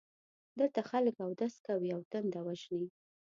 دلته خلک اودس کوي او تنده وژني.